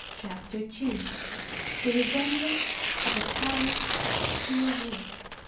CHAPTER II. THE RESEMBLANCE OF A PALACE TO A WOOD.